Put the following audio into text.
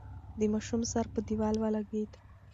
د ماشوم سر په دېوال ولگېد.